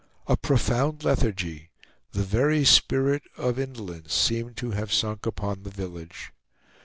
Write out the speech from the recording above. A profound lethargy, the very spirit of indolence, seemed to have sunk upon the village.